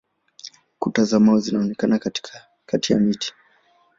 Kuta za mawe zinaonekana kati ya miti.